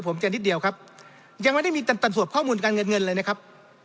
ผมจะนิดเดียวครับยังไม่ได้มีตันสวดข้อมูลการเงินเงินเลยนะครับ